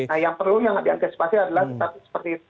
nah yang perlu yang diantisipasi adalah tetap seperti itu